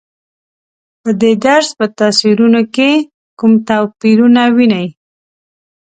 په دې درس په تصویرونو کې کوم توپیرونه وینئ؟